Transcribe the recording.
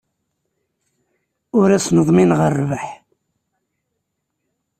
Ur asen-ḍmineɣ rrbeḥ.